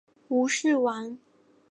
吴氏亡。